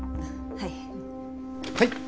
はい。